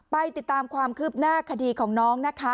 ไปติดตามความคืบหน้าคดีของน้องนะคะ